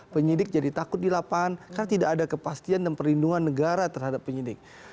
penyidik jadi takut di lapangan karena tidak ada kepastian dan perlindungan negara terhadap penyidik